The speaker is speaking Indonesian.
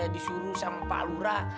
disuruh sama pak lura